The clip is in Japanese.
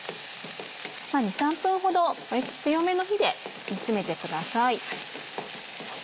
２３分ほど割と強めの火で煮詰めてください。